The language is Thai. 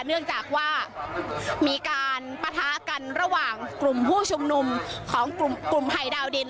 เนื่องจากว่ามีการปะทะกันระหว่างกลุ่มผู้ชุมนุมของกลุ่มไฮดาวดิน